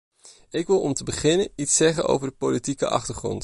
Ik wil om te beginnen iets zeggen over de politieke achtergrond.